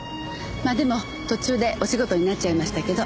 まあでも途中でお仕事になっちゃいましたけど。